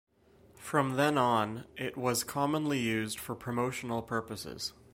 From then on it was commonly used for promotional purposes.